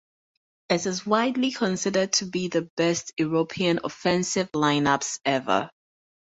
It is widely considered to be the best European offensive lineups ever.